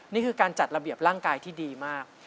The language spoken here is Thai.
นี่คือการจัดระเบียบร่างกายที่ดีมาก